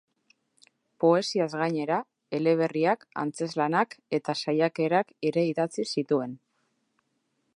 Poesiaz gainera, eleberriak, antzezlanak eta saiakerak ere idatzi zituen.